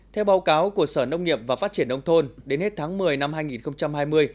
theo báo cáo của sở nông nghiệp và phát triển nông thôn đến hết tháng một mươi năm hai nghìn hai mươi